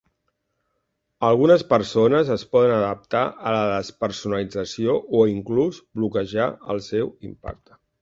Algunes persones es poden adaptar a la despersonalització o inclús bloquejar el seu impacte.